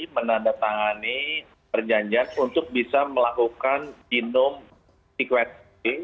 menandatangani perjanjian untuk bisa melakukan genome sequencing